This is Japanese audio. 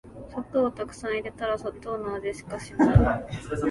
砂糖をたくさん入れたら砂糖の味しかしない